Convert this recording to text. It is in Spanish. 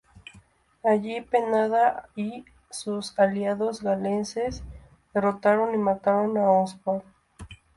Allí Penda y sus aliados galeses derrotaron y mataron a Oswald.